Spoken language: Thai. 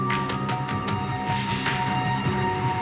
เต๋ง